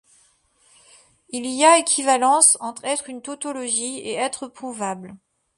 Il y a équivalence entre être une tautologie et être prouvable.